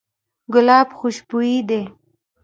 ګلاب خوشبوی دی.